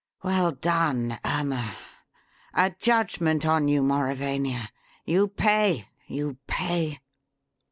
Well done, Irma! A judgment on you, Mauravania. You pay! You pay!"